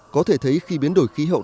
có thể thấy khi biến đổi khí hậu